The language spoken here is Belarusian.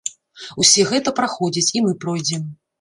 Усе гэта праходзяць, і мы пройдзем.